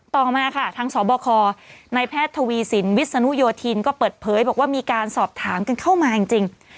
ต่อมาค่ะทางสบคในแพทย์ทวีสินวิศนุโยธินก็เปิดเผยบอกว่ามีการสอบถามกันเข้ามาจริง